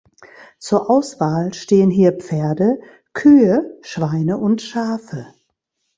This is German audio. Zur Auswahl stehen hier Pferde, Kühe, Schweine und Schafe.